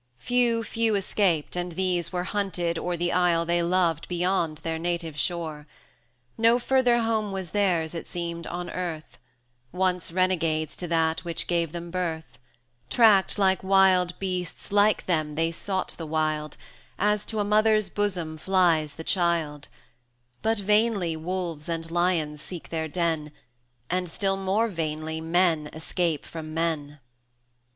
10 Few, few escaped, and these were hunted o'er The isle they loved beyond their native shore. No further home was theirs, it seemed, on earth, Once renegades to that which gave them birth; Tracked like wild beasts, like them they sought the wild, As to a Mother's bosom flies the child; But vainly wolves and lions seek their den, And still more vainly men escape from men.